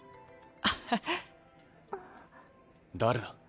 誰だ？